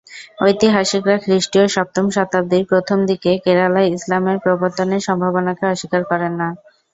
ঐতিহাসিকরা খ্রিস্টীয় সপ্তম শতাব্দীর প্রথম দিকে কেরালায় ইসলামের প্রবর্তনের সম্ভাবনাকে অস্বীকার করেন না।